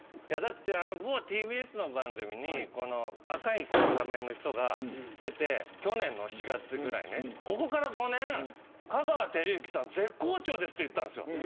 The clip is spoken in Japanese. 某ＴＢＳの番組に赤い仮面の人が出て去年の４月ぐらいにここから５年香川照之さん絶好調ですって言ったんです。